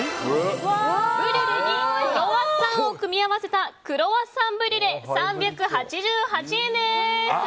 ブリュレにクロワッサンを組み合わせたクロワッサンブリュレ３８８円です。